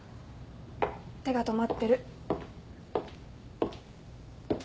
手が止まってる。